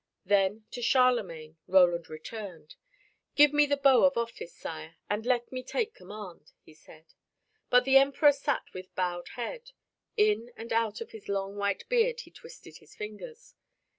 Then to Charlemagne Roland turned, "Give me the bow of office, Sire, and let me take command," he said. But the Emperor sat with bowed head. In and out of his long white beard he twisted his fingers.